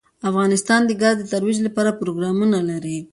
افغانستان د ګاز د ترویج لپاره پروګرامونه لري.